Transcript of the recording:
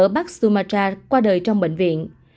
bác sumatra qua đời trong bệnh viện